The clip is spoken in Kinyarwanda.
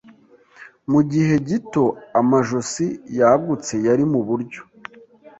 Mugihe gito, amajosi yagutse yari muburyo.